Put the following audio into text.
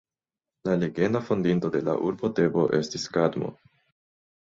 La legenda fondinto de la urbo Tebo estis Kadmo.